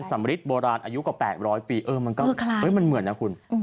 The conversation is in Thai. สำลิดโบราณอายุกว่าแปลกร้อยปีมันก็คราฮไม่มีมันเหมือนนะคุณ